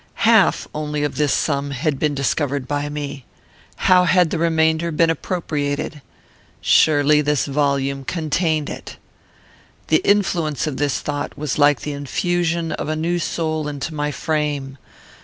Half only of this sum had been discovered by me. How had the remainder been appropriated? Surely this volume contained it. "The influence of this thought was like the infusion of a new soul into my frame.